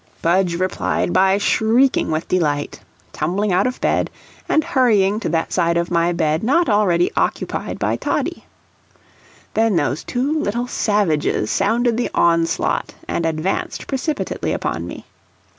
Budge replied by shrieking with delight, tumbling out of bed, and hurrying to that side of my bed not already occupied by Toddie. Then those two little savages sounded the onslaught and advanced precipitately upon me.